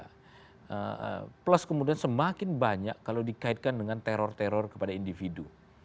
nah plus kemudian semakin banyak kalau dikaitkan dengan teror teror kepada individu